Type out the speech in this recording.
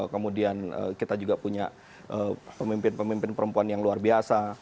kemudian kita juga punya pemimpin pemimpin perempuan yang luar biasa